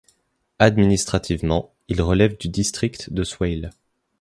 Administrativement, il relève du district de Swale.